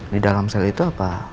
di dalam sel itu apa